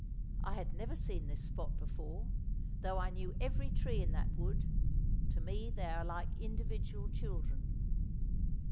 I had never seen this spot before, though I know every tree in that wood; to me they are like individual children.